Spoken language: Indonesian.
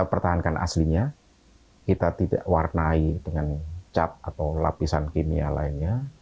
kita tahan kan aslinya kita tidak warnai dengan cat atau lapisan kimia lainnya